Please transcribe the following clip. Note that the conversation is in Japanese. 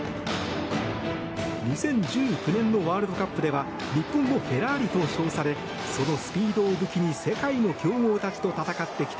２０１９年のワールドカップでは日本のフェラーリと称されそのスピードを武器に世界の強豪たちと戦ってきた